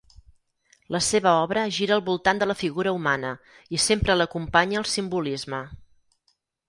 La seva obra gira al voltant de la figura humana i sempre l’acompanya el simbolisme.